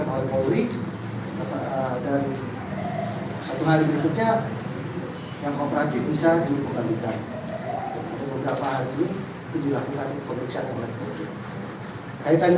terima kasih pak rakyat dan kan semuanya